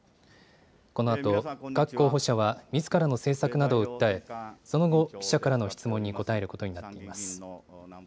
このあと各候補者はみずからの政策などを訴え、その後、記者からの質問に答えることになっています。